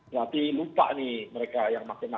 berarti lupa nih mereka yang pakai pertamax